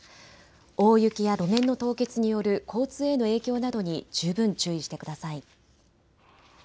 大雪や路面の凍結による交通への影響などに十分注意してください。